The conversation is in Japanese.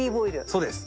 そうです。